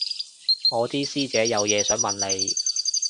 我啲師姐有嘢想問你